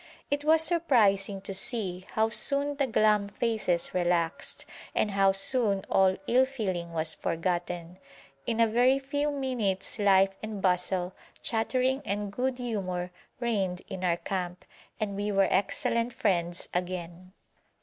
It was surprising to see how soon the glum faces relaxed, and how soon all ill feeling was forgotten. In a very few minutes life and bustle, chattering and good humour reigned in our camp, and we were excellent friends again.